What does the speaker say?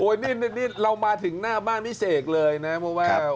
โอ้โฮเราม้าถึงหน้าบ้านพิเศษเลยนะ